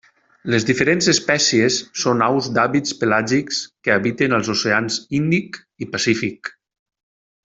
Les diferents espècies són aus d'hàbits pelàgics que habiten als oceans Índic i Pacífic.